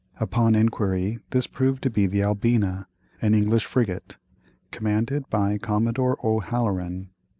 Upon inquiry this proved to be the Albina, an English frigate, commanded by Commodore O'Haleran.